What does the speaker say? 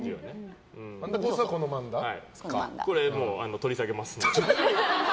これ取り下げますんで。